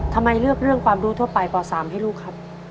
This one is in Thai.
ทำไมเลือกเรื่องความรู้ทั่วไปป๓ให้ลูกครับ